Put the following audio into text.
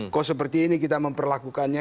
kok seperti ini kita memperlakukannya